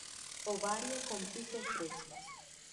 Ovario con pico estrecho.